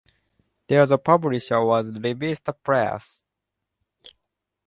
There the publisher was Revista Press.